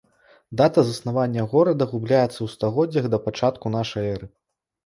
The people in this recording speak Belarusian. Дата заснавання горада губляецца ў стагоддзях да пачатку нашай эры.